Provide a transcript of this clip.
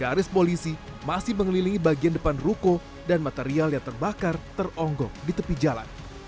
garis polisi masih mengelilingi bagian depan ruko dan material yang terbakar teronggok di tepi jalan